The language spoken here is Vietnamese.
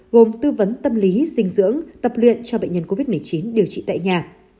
gồm tư vấn tâm lý dinh dưỡng tập luyện cho bệnh nhân covid một mươi chín điều trị tại nhà